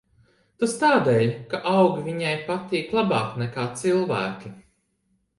Tas tādēļ, ka augi viņai patīk labāk nekā cilvēki.